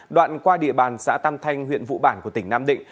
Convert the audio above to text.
đoạn qua địa bàn xã tam thanh huyện vụ bản của tỉnh nam định